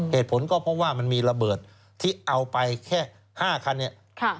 เหตุผลก็เพราะว่ามันมีระเบิดที่เอาไปแค่๕คันเนี่ย